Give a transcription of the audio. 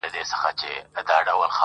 ستا پستې پستې خبري مي یا دېږي،